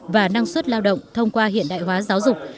và năng suất lao động thông qua hiện đại hóa giáo dục